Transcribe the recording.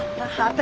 私